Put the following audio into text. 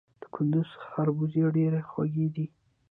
د کندز خربوزې ډیرې خوږې دي